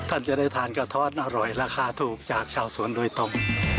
ท่านจะได้ทานกระท้อนอร่อยราคาถูกจากชาวสวนโดยตรง